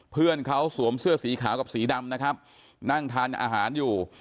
เพื่อนเขาสวมเสื้อสีขาวกับสีดำนะครับนั่งทานอาหารอยู่